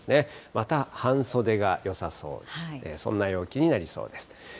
また半袖がよさそう、そんな陽気になりそうです。